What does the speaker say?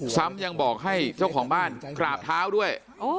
ซ้ำยังบอกให้เจ้าของบ้านกราบเท้าด้วย